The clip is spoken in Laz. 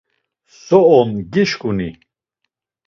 So on gişǩuni?